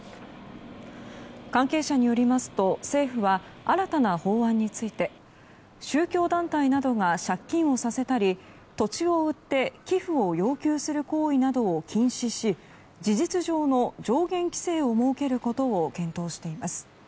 関係者によりますと政府は、新たな法案について宗教団体などが借金をさせたり土地を売って寄付を要求する行為などを禁止し事実上の上限規制を設けることを検討しています。